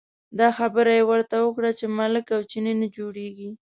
دا خبره یې ورته وکړه چې ملک او چینی نه جوړېږي.